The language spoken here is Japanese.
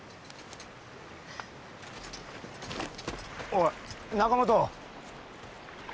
おい中元。